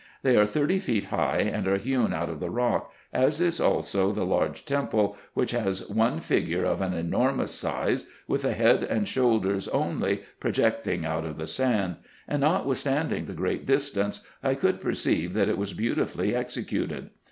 They are thirty feet high, and are hewn out of the rock ; as is also the large temple, which has one figure of an enormous size, with the head and shoulders only projecting out of the sand ; and notwithstanding the great distance, I could perceive, that it was beautifully executed.